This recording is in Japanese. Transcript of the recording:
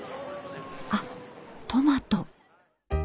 あっトマト。